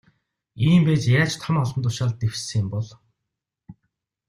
Ийм байж яаж том албан тушаалд дэвшсэн юм бол.